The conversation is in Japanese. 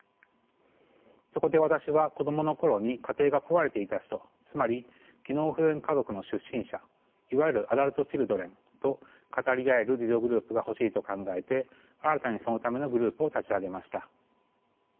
そこで私は子供の頃に家庭が壊れていた人つまり機能不全家族の出身者いわゆるアダルトチルドレンと語り合える自助グループが欲しいと考えて新たにそのためのグループを立ち上げました。